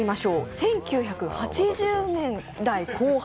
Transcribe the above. １９８０年代後半。